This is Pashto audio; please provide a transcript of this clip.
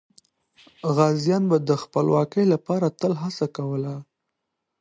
غازیان به د خپلواکۍ لپاره تل هڅه کوله.